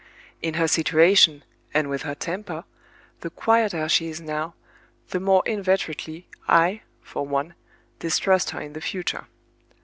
In her situation, and with her temper, the quieter she is now, the more inveterately I, for one, distrust her in the future.